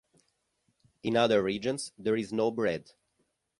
In other regions, there is no bread.